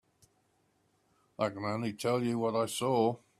I can only tell you what I saw.